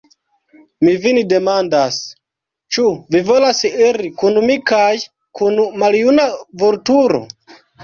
Mi vin demandas, ĉu vi volas iri kun mi kaj kun maljuna Vulturo?